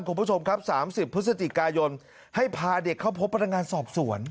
ขอบคุณผู้ชมครับสามสิบพฤศจิกายนให้พาเด็กเข้าพบพันการสอบสวน